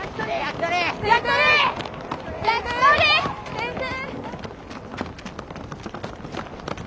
先生！